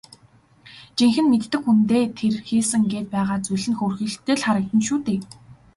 Жинхэнэ мэддэг хүндээ тэр хийсэн гээд байгаа зүйл нь хөөрхийлөлтэй л харагдана шүү дээ.